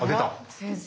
先生！